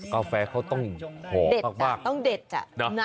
กาแฟเขาต้องหอมากต้องเด็ดจ้ะ